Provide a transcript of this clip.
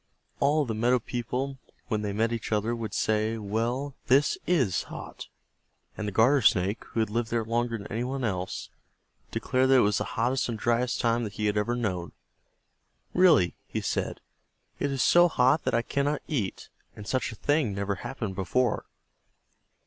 All of the meadow people when they met each other would say, "Well, this is hot," and the Garter Snake, who had lived there longer than anyone else, declared that it was the hottest and driest time that he had ever known. "Really," he said, "it is so hot that I cannot eat, and such a thing never happened before."